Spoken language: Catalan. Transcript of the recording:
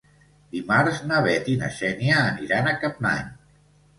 Dimarts na Bet i na Xènia aniran a Capmany.